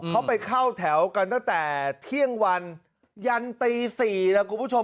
เขาไปเข้าแถวกันตั้งแต่เที่ยงวันยันตี๔นะคุณผู้ชม